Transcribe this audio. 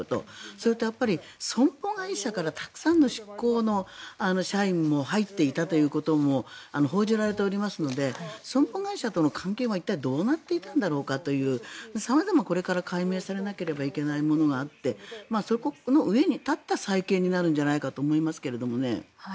それと損保会社からたくさんの出向の社員も入っていたということも報じられておりますので損保会社との関係は一体どうなっていたんだろうかという様々なこれから解明されなければいけないものがあってその上に立った再建になるのではと思いますが。